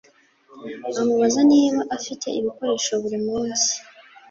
Amubaza niba afite ibikoresho buri munsi.